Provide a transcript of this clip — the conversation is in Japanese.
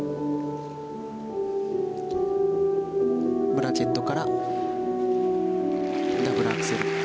ブラケットからダブルアクセル。